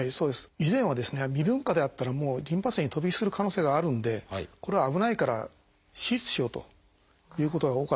以前はですね未分化であったらもうリンパ節へ飛び火する可能性があるんでこれは危ないから手術しようということが多かったんですね。